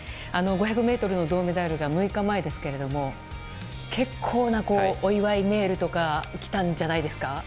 ５００ｍの銅メダルが６日前ですけれども結構なお祝いメールとかきたんじゃないですか？